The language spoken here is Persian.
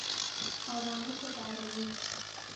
آرامش درونی